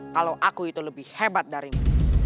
kalau aku itu lebih hebat darimu